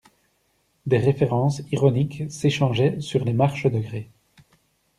Des révérences ironiques s'échangeaient sur les marches de grès.